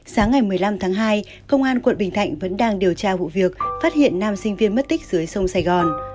sáng ngày một mươi năm tháng hai công an quận bình thạnh vẫn đang điều tra vụ việc phát hiện nam sinh viên mất tích dưới sông sài gòn